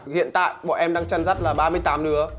hiện tại bọn em đang chăn rắt là ba mươi tám nứa